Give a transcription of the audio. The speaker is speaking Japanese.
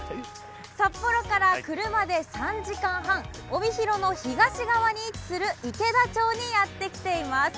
札幌から車で３時間半、帯広の東側に位置する池田町にやってきています。